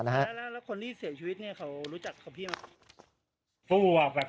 แล้วคนที่เสียชีวิตเขารู้จักของพี่มั้ย